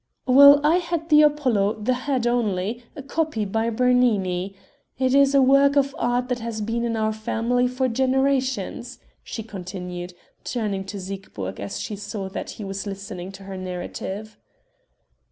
"Well, I had the Apollo, the head only, a copy by Bernini. It is a work of art that has been in our family for generations," she continued, turning to Siegburg as she saw that he was listening to her narrative.